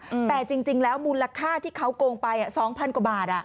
อืมแต่จริงจริงแล้วมูลค่าที่เขาโกงไปอ่ะสองพันกว่าบาทอ่ะ